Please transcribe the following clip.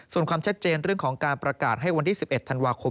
ส่วนความชัดเจนเรื่องของการประกาศให้วันที่๑๑ธันวาคม